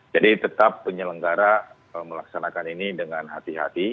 jadi tetap penyelenggara melaksanakan ini dengan hati hati